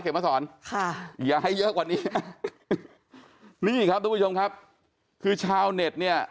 มาสอนค่ะอย่าให้เยอะกว่านี้นี่ครับทุกผู้ชมครับคือชาวเน็ตเนี่ย